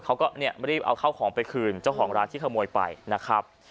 เขาก็เนี่ยรีบเอาเข้าของไปคืนเจ้าของร้านที่ขโมยไปนะครับ